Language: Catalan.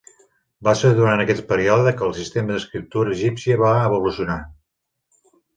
Va ser durant aquest període que el sistema d'escriptura egípcia va evolucionar.